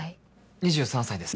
２３歳です。